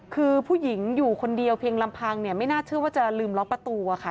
คือผู้หญิงอยู่คนเดียวเพียงลำพังเนี่ยไม่น่าเชื่อว่าจะลืมล็อกประตูอะค่ะ